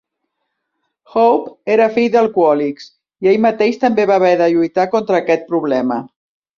Hope era fill d'alcohòlics i ell mateix també va haver de lluitar contra aquest problema.